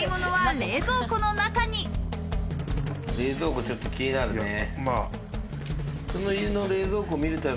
冷蔵庫、ちょっと気になるね。